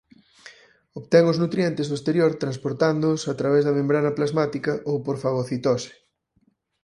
Obtén os nutrientes do exterior transportándoos a través da membrana plasmática ou por fagocitose.